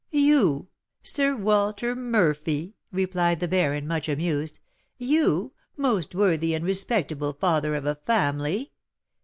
"You! Sir Walter Murphy," replied the baron, much amused. "You, most worthy and respectable father of a family!